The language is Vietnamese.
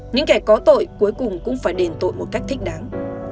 những kẻ có tội cuối cùng cũng phải đền tội một cách thích đáng